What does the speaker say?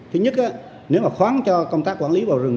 thứ nhất nếu mà khoáng cho công tác quản lý vào rừng